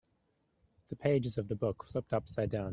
The pages of the book flipped upside down.